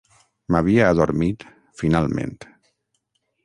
M'havia adormit, finalment.